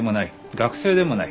学生でもない。